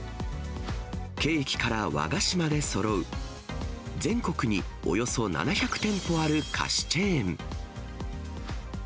ケーキから和菓子までそろう、全国におよそ７００店舗ある菓子チェーン。